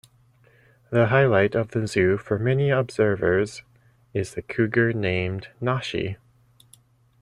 The highlight of the zoo for many observers is the cougar, named Nashi.